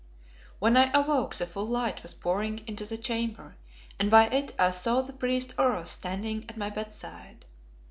When I awoke the full light was pouring into the chamber, and by it I saw the priest Oros standing at my bedside.